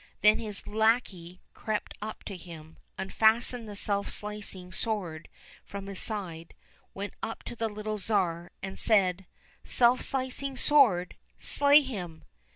Then his lackey crept up to him, unfastened the self slicing sword from his side, went up to the little Tsar, and said, " Self slicing sword ! slay him